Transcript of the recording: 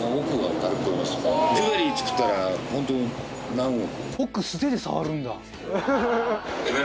ジュエリー作ったらホントに何億。